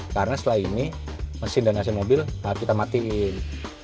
karena setelah ini mesin dan ac mobil harus kita matiin